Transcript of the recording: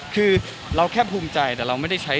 คือเราแค่ภูมิใจแต่เราไม่ได้ใช้